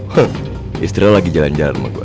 hah istri lo lagi jalan jalan sama gue